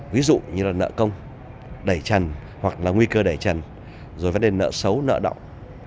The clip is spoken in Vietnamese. ví dụ như là nợ công đẩy trần hoặc là nguy cơ đẩy trần rồi vấn đề nợ xấu nợ động